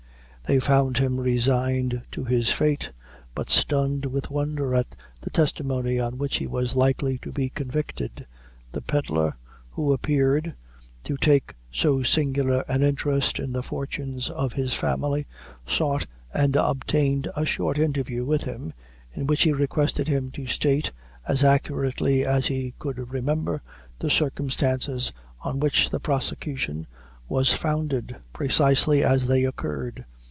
They found him resigned to his fate, but stunned with wonder at the testimony on which he was likely to be convicted. The pedlar, who appeared to take so singular an interest in the fortunes of his family, sought and obtained a short interview with him, in which he requested him to state, as accurately as he could remember, the circumstances on which the prosecution was founded, precisely as they occurred.